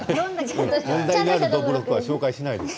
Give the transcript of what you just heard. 問題がある、どぶろくは紹介しないです。